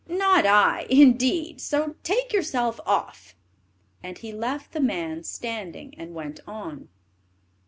Not I, indeed, so take yourself off!" and he left the man standing and went on.